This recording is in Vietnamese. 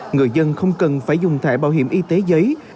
người dân không cần phải dùng thẻ bảo hiểm y tế giấy